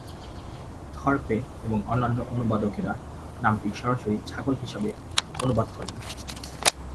থর্পে এবং অন্যান্য অনুবাদকেরা নামটি সরাসরি "ছাগল" হিসাবে অনুবাদ করেন।